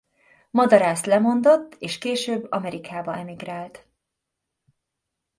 Madarász lemondott és később Amerikába emigrált.